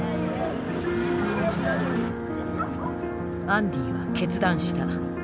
アンディは決断した。